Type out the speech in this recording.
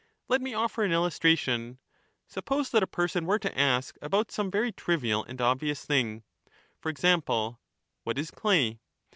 Let me offer an illustration : Suppose that a person Socraies were to ask about some very trivial and obvious thing— indicates by for example, What is clay?